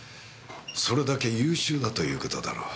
それだけ優秀だという事だろう。